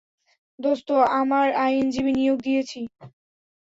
দোস্ত, আমার আইনজীবী নিয়োগ দিয়েছি।